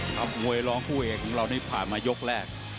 มวยร้องคู่เอกของเรานี่ผ่านมายกแรก